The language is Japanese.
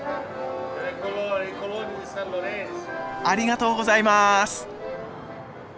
ありがとうございます。